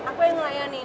aku yang layan nih